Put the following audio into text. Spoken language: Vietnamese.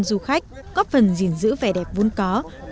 tôi thấy cảnh vật nơi đây rất đẹp